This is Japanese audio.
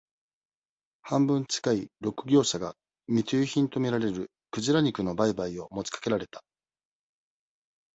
半分近い、六業者が、密輸品とみられる、鯨肉の売買を持ちかけられた。